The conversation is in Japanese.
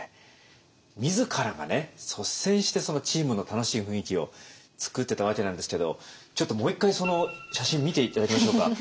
自らが率先してチームの楽しい雰囲気を作ってたわけなんですけどちょっともう一回その写真見て頂きましょうか。